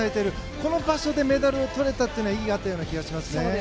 この場所でメダルをとれたってことに意義があった気がしますね。